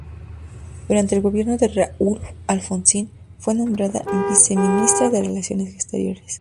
Durante el gobierno de Raúl Alfonsín, fue nombrada viceministra de Relaciones Exteriores.